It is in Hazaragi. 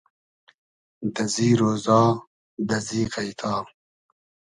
دئزی رۉزا دئزی غݷتا